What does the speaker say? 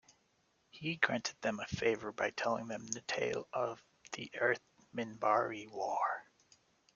He granted them a favor by telling them the tale of the Earth-Minbari War.